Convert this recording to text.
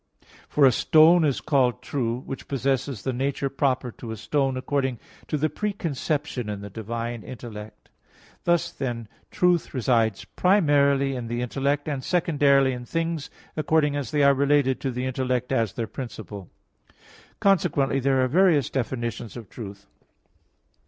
For a stone is called true, which possesses the nature proper to a stone, according to the preconception in the divine intellect. Thus, then, truth resides primarily in the intellect, and secondarily in things according as they are related to the intellect as their principle. Consequently there are various definitions of truth.